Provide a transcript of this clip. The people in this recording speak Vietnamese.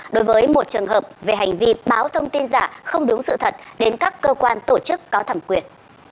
đối với một trường hợp về hành vi báo thông tin giả không đúng sự thật đến các cơ quan tổ chức có thẩm quyền